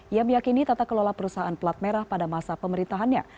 ia meyakini tata kelola perusahaan pelat merah pada masa pemerintahannya